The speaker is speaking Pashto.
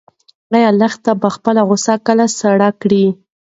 ایا لښته به خپله غوسه کله سړه کړي؟